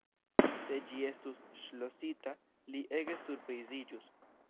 Se ĝi estus ŝlosita, li ege surpriziĝus.